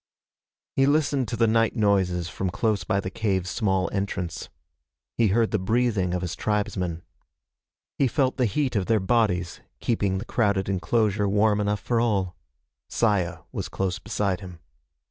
He listened to the night noises from close by the cave's small entrance. He heard the breathing of his tribesmen. He felt the heat of their bodies, keeping the crowded enclosure warm enough for all. Saya was close beside him.